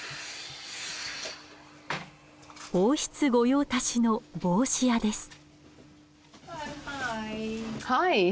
王室御用達の帽子屋です。